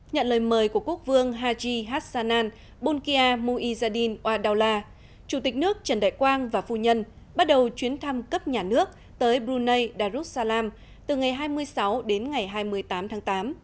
nhận lời mời của quốc vương haji hassanan bolkia moisadin addola chủ tịch nước trần đại quang và phu nhân bắt đầu chuyến thăm cấp nhà nước tới brunei darussalam từ ngày hai mươi sáu đến ngày hai mươi tám tháng tám